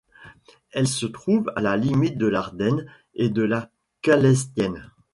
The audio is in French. Elle se trouve à la limite de l'Ardenne et de la Calestienne.